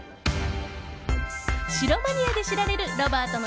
城マニアで知られるロバートの